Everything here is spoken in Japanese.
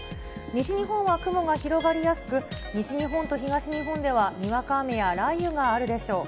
西日本は雲が広がりやすく、西日本と東日本ではにわか雨や雷雨があるでしょう。